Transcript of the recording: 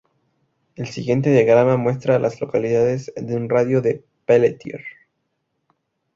El siguiente diagrama muestra a las localidades en un radio de de Peletier.